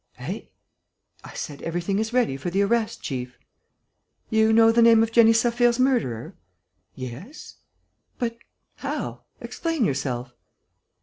"Eh?" "I said, everything is ready for the arrest, chief." "You know the name of Jenny Saphir's murderer?" "Yes." "But how? Explain yourself."